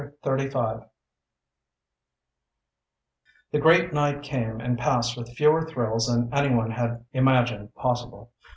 CHAPTER XXI The great night came and passed with fewer thrills than any one had imagined possible.